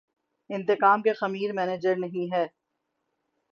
انتقام کے خمیر میںخیر نہیں ہے۔